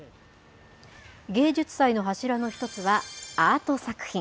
芸術祭の柱の一つは、アート作品。